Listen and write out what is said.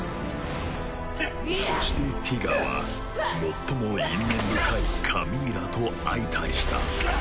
そしてティガは最も因縁深いカミーラと相対した。